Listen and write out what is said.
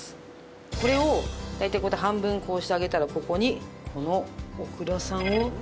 これを大体こうやって半分こうしてあげたらここにこのオクラさんをのっけてあげます。